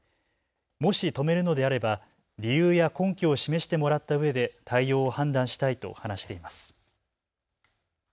もし止めるのであれば理由や根拠を示してもらったうえで対応を判断したいと話しています。